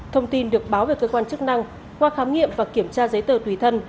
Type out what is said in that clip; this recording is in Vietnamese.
thông tin được báo về cơ quan chức năng qua khám nghiệm và kiểm tra giấy tờ tùy thân